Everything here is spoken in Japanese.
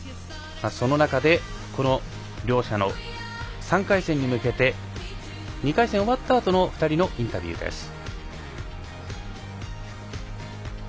その中で両者の３回戦に向けて２回戦、終わったあとの２人のインタビューです。